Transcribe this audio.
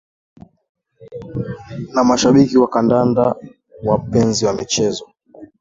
na mashabiki wa kandanda wapenzi wa michezo